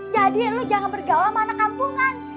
jadi lo jangan bergaul sama anak kampungan